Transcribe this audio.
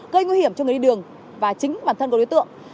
gây nguy hiểm cho người đi đường và chính bản thân của đối tượng